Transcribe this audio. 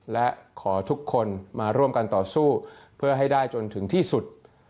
และขอทุกคนมาร่วมกันต่อสู้เพื่อให้ได้จนถึงที่สุด